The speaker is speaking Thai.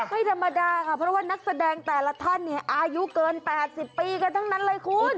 ไม่ธรรมดาค่ะเพราะว่านักแสดงแต่ละท่านเนี่ยอายุเกิน๘๐ปีกันทั้งนั้นเลยคุณ